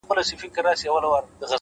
اخلاص د اړیکو بنسټ پیاوړی کوي’